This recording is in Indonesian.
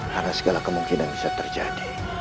karena segala kemungkinan bisa terjadi